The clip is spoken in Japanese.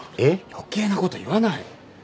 余計な事言わない！